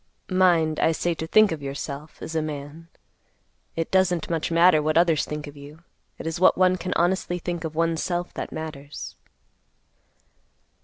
Mind, I say to think of yourself, as a man. It doesn't much matter what others think of you. It is what one can honestly think of one's self that matters."